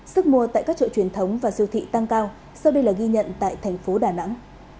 sức mua tại các chợ truyền thống và siêu thị tăng cao sau đây là ghi nhận tại thành phố đà nẵng